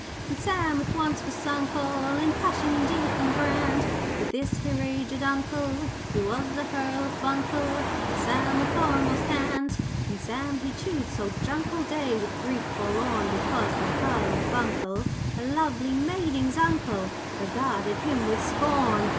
'And Sam at once was sunk all In passion deep and grand, But this here aged Uncle He was the Hearl of Buncle And Sam a foremast hand. 'And Sam he chewed salt junk all Day with grief forlorn, Because the Hearl of Buncle, The lovely maiding's Uncle, Regarded him with scorn.